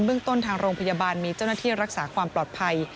เรื่องต้นทางโรงพยาบาลมีเจ้าหน้าที่รักษาความปลอดภัย